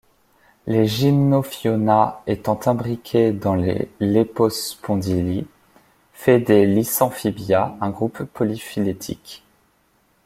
Les Gymnophiona étant imbriqués dans les Lepospondyli, fait des Lissamphibia un groupe polyphylétique.